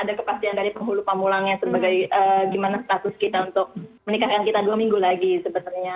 ada kepastian dari penghulu pamulangnya sebagai gimana status kita untuk menikahkan kita dua minggu lagi sebenarnya